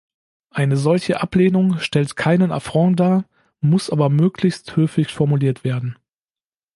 Eine solche Ablehnung stellt keinen Affront dar, muss aber möglichst höflich formuliert werden.